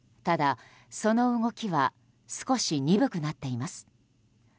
ただ、その動きは少し鈍くなっています。